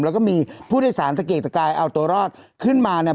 แล้วก็มีผู้โดยสารตะเกียกตะกายเอาตัวรอดขึ้นมาเนี่ย